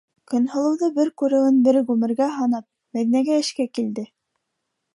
Көнһылыуҙы бер күреүен бер ғүмергә һанап, Мәҙинәгә эшкә килде.